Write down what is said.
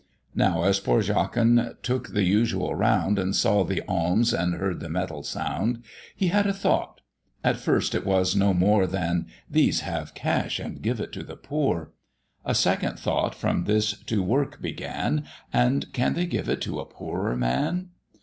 Now as poor Jachin took the usual round, And saw the alms and heard the metal sound, He had a thought at first it was no more Than "these have cash and give it to the poor." A second thought from this to work began "And can they give it to a poorer man?"